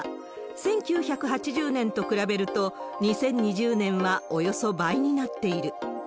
１９８０年と比べると、２０２０年はおよそ倍になっている。